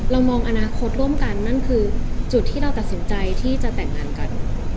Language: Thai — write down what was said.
มองอนาคตร่วมกันนั่นคือจุดที่เราตัดสินใจที่จะแต่งงานกัน